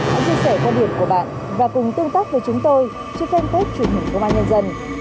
hãy chia sẻ quan điểm của bạn và cùng tương tác với chúng tôi trên fanpage truyền hình công an nhân dân